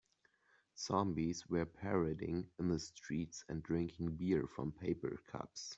Zombies were parading in the streets and drinking beer from paper cups.